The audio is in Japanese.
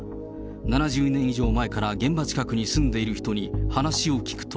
７０年以上前から現場近くに住んでいる人に話を聞くと。